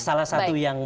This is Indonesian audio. salah satu yang